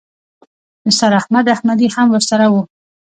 نثار احمد احمدي هم ورسره و.